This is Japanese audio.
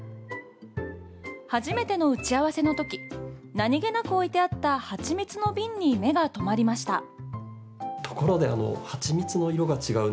初めての打ち合わせのとき何気なく置いてあったはちみつの瓶に目が留まりました。